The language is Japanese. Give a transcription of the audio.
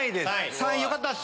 ３位よかったっす。